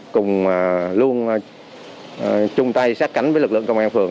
cùng luôn chung tay sát cánh với lực lượng công an phường